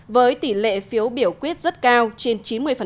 với tỷ lệ phiếu biểu quyết rất cao trên chín mươi